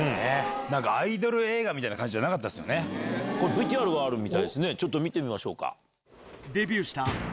ＶＴＲがあるみたいですねちょっと見てみましょうか。